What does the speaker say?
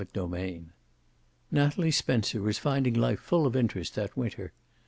CHAPTER XIX Natalie Spencer was finding life full of interest that winter.